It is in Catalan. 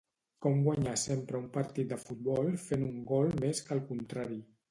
Com guanyar sempre un partit de futbol fent un gol més que el contrari